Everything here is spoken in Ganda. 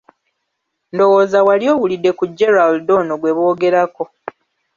Ndowooza wali owulidde ku Gerald ono gwe boogerako.